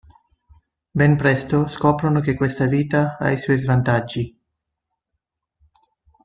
Ben presto scoprono che questa vita ha i suoi svantaggi.